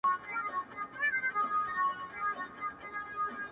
نو زنده گي څه كوي~